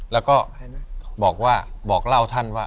แล้วก็บอกว่าบอกเล่าท่านว่า